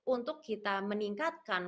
untuk kita meningkatkan